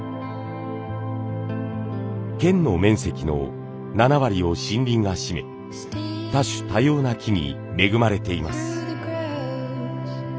県の面積の７割を森林が占め多種多様な木に恵まれています。